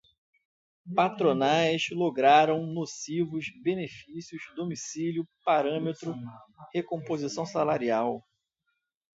patronais, lograram, nocivos, benefícios, domicílio, parâmetro, recomposição salarial